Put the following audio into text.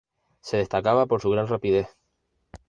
Se destacaba por su gran rapidez.